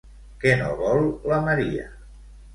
Què no vol la Maria?